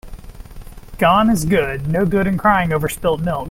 Gone is gone. No good in crying over spilt milk.